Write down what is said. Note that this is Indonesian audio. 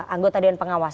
anggota dewan pengawas